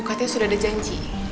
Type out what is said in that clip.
katanya sudah ada janji